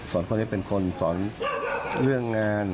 สอนคนให้เป็นคนสอนเรื่องงาน